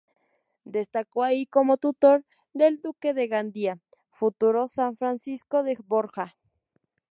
Destacó ahí como tutor del Duque de Gandía, futuro San Francisco de Borja.